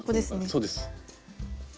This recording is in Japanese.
そうです。